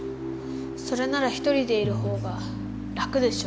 それなら一人でいる方が楽でしょ。